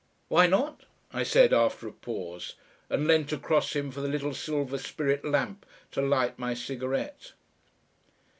"Why not?" I said, after a pause, and leant across him for the little silver spirit lamp, to light my cigarette....